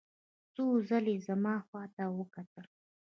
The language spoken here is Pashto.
څو ځلې یې زما خواته وکتل.